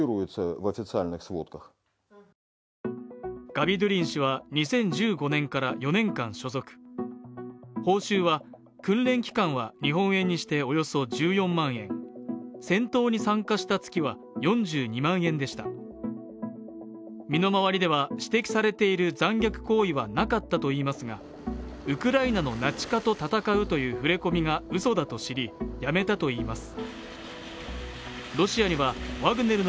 ガビドゥリン氏は２０１５年から４年間所属報酬は訓練期間は日本円にしておよそ１４万円戦闘に参加した月は４２万円でした身の回りでは指摘されている残虐行為はなかったといいますがウクライナのナチ化と戦うという触れ込みが嘘だと知りやめたといいます